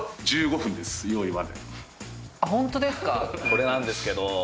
これなんですけど。